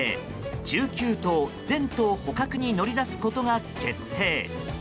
１９頭、全頭捕獲に乗り出すことが決定。